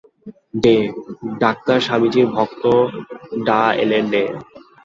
Day, doctor স্বামীজীর ভক্ত ডা এলেন ডে।